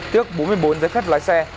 tước bốn mươi bốn giấy phép lái xe